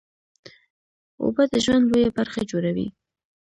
اوبه د ژوند لویه برخه جوړوي